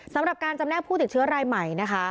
สำหรับการจำแนกผู้ติดเชื้อรายใหม่นะคะ